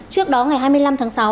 trước đó ngày hai mươi năm tháng sáu